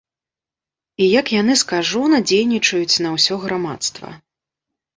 І як яны скажона дзейнічаюць на ўсё грамадства.